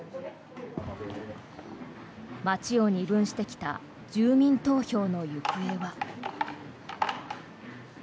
町を二分してきた住民投票の行方は。